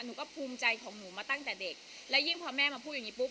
หนูก็ภูมิใจของหนูมาตั้งแต่เด็กและยิ่งพอแม่มาพูดอย่างงี้ปุ๊